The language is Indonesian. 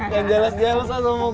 jangan jelas jelas sama gue